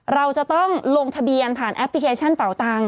เราจะต้องลงทะเบียนผ่านแอปพลิเคชันเป่าตังค